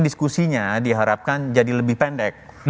diskusinya diharapkan jadi lebih pendek